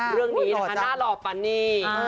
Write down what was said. เรื่องนี้นะคะหน้าหล่อปันนี่